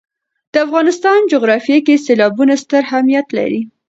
د افغانستان جغرافیه کې سیلابونه ستر اهمیت لري.